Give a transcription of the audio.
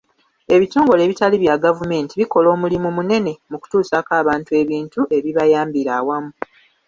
Ebitongole ebitali bya gavumenti bikola omulimu munene mu kutuusako abantu ebintu ebibayambira awamu.